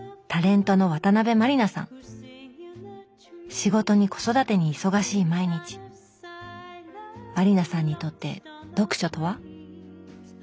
仕事に子育てに忙しい毎日満里奈さんにとって読書とは？